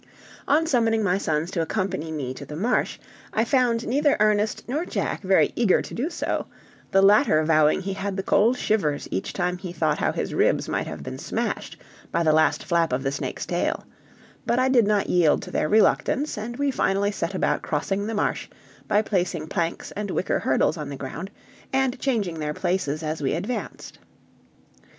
On summoning my sons to accompany me to the marsh, I found neither Ernest nor Jack very eager to do so, the latter vowing he had the cold shivers each time he thought how his ribs might have been smashed by the last flap of the snake's tail; but I did not yield to their reluctance, and we finally set about crossing the marsh by placing planks and wicker hurdles on the ground, and changing their places as we advanced.